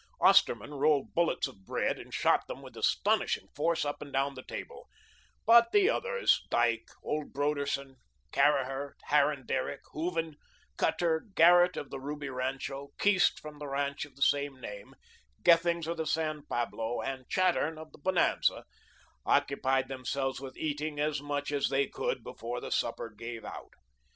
Osterman rolled bullets of bread and shot them with astonishing force up and down the table, but the others Dyke, old Broderson, Caraher, Harran Derrick, Hooven, Cutter, Garnett of the Ruby rancho, Keast from the ranch of the same name, Gethings of the San Pablo, and Chattern of the Bonanza occupied themselves with eating as much as they could before the supper gave out.